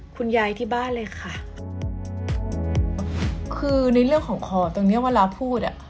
คุณยายที่บ้านเลยค่ะคือในเรื่องของคอตรงเนี้ยเวลาพูดอ่ะ